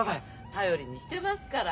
頼りにしてますから。